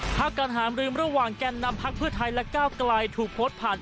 การหามลืมระหว่างแก่นนำพักเพื่อไทยและก้าวไกลถูกโพสต์ผ่าน